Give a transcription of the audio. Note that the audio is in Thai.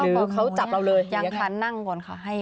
หรือเขาจับเราเลยเหลือแค่ไหนยังพันนั่งก่อนค่ะ